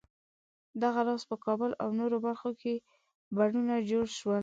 دغه راز په کابل او نورو برخو کې بڼونه جوړ شول.